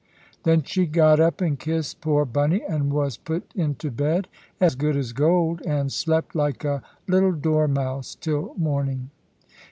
Then she got up and kissed poor Bunny, and was put into bed as good as gold, and slept like a little dormouse till morning.